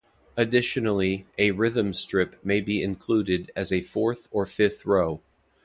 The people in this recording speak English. Additionally, a rhythm strip may be included as a fourth or fifth row.